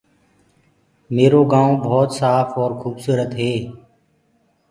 ميرو گائونٚ ڀوت سآڦ اور خوبسورت هي۔